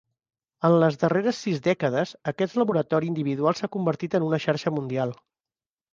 En les darreres sis dècades, aquest laboratori individual s'ha convertit en una xarxa mundial.